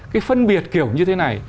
cái phân biệt kiểu như thế này